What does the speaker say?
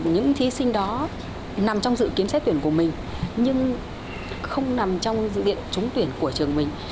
những thí sinh đó nằm trong dự kiến xét tuyển của mình nhưng không nằm trong dự định trúng tuyển của trường mình